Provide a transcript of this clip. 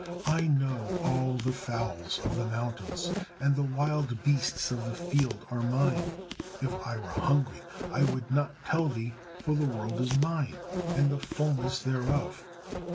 I know all the fowls of the mountains: and the wild beasts of the field are Mine. If I were hungry, I would not tell thee: for the world is Mine, and the fullness thereof.